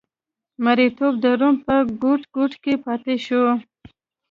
مریتوب د روم په ګوټ ګوټ کې پاتې شو.